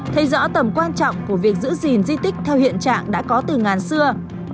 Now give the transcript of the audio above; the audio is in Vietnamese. thấy rõ tầm quan trọng của việc giữ gìn di tích theo hiện trạng đã có từ ngàn xưa